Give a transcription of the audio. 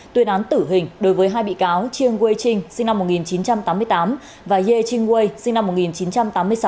tuyên án tử hình đối với hai bị cáo chiang wei ching sinh năm một nghìn chín trăm tám mươi tám và ye ching wei sinh năm một nghìn chín trăm tám mươi sáu